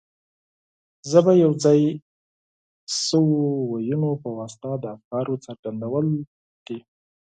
ژبه د یو ځای شویو وییونو په واسطه د افکارو څرګندول دي.